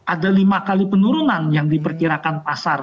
ada lima kali penurunan yang diperkirakan pasar